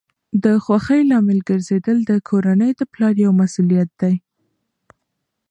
د خوښۍ لامل ګرځیدل د کورنۍ د پلار یوه مسؤلیت ده.